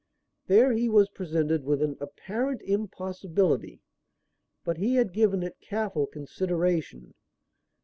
There he was presented with an apparent impossibility; but he had given it careful consideration.